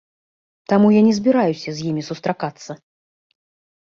Таму я не збіраюся з імі сустракацца!